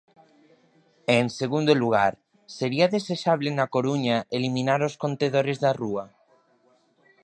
E en segundo lugar: sería desexable na Coruña eliminar os contedores da rúa?